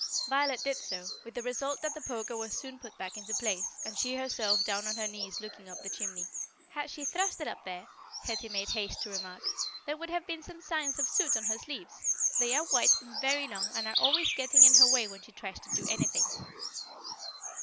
Violet did so, with the result that the poker was soon put back into place, and she herself down on her knees looking up the chimney. "Had she thrust it up there," Hetty made haste to remark, "there would have been some signs of soot on her sleeves. They are white and very long and are always getting in her way when she tries to do anything."